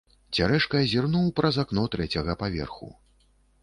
Цярэшка зірнуў праз акно трэцяга паверху.